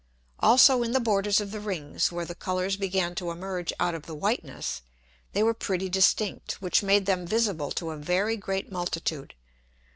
Also in the Borders of the Rings, where the Colours began to emerge out of the whiteness, they were pretty distinct, which made them visible to a very great multitude.